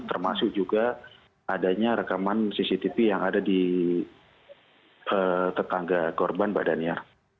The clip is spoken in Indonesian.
termasuk juga adanya rekaman cctv yang ada di tetangga korban mbak daniar